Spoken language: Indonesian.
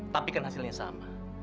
tapi kan hasilnya sama